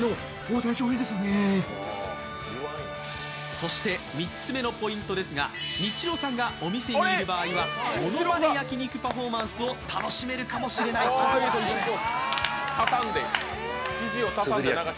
そして３つ目のポイントですが、ニッチローさんがお店にいる場合はモノマネ焼き肉パフォーマンスを楽しめるかもしれないということです。